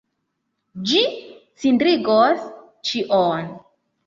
Ĝi cindrigos ĉion.